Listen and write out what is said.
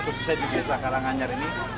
khususnya di desa karanganyar ini